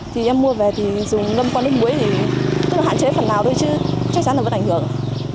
thì em mua về thì dùng ngâm qua nước muối thì tức là hạn chế phần nào thôi chứ chắc chắn là vẫn ảnh hưởng